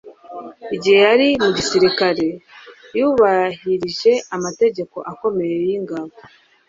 igihe yari mu gisirikare, yubahirije amategeko akomeye y'ingabo